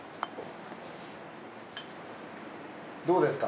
どうですか？